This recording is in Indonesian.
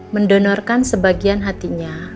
mendonorkan sebagian hatinya